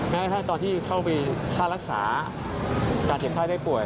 แม้กระทั่งตอนที่เข้าไปค่ารักษาการเจ็บไข้ได้ป่วย